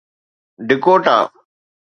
Dakota